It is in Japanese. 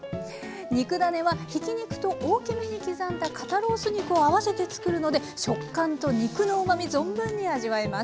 肉だねはひき肉と大きめに刻んだ肩ロース肉を合わせて作るので食感と肉のうまみ存分に味わえます。